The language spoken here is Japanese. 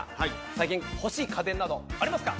最近欲しい家電などありますか？